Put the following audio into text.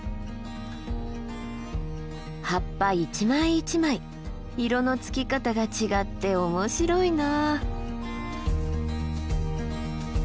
葉っぱ一枚一枚色のつき方が違って面白いな。